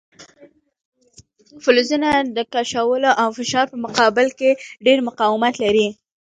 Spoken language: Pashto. فلزونه د کشولو او فشار په مقابل کې ډیر مقاومت لري.